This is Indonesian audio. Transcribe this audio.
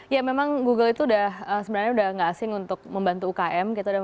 ya memang google itu sudah tidak asing untuk membantu ukm